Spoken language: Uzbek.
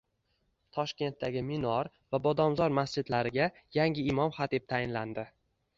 Toshkentdagi Minor va Bodomzor masjidlariga yangi imom-xatib tayinlandi